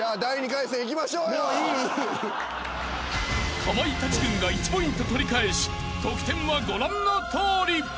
［かまいたち軍が１ポイント取り返し得点はご覧のとおり］